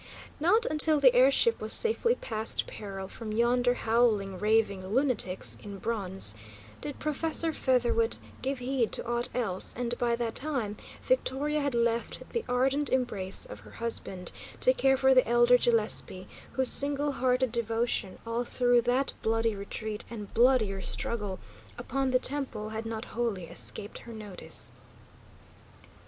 Not until the air ship was safely past peril from yonder howling, raving lunatics in bronze did Professor Featherwit give heed to aught else, and by that time Victoria had left the ardent embrace of her husband, to care for the elder Gillespie, whose single hearted devotion all through that bloody retreat and bloodier struggle upon the temple had not wholly escaped her notice.